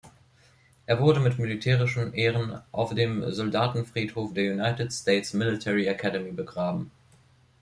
Er wurde mit militärischen Ehren auf dem Soldatenfriedhof der United States Military Academy begraben.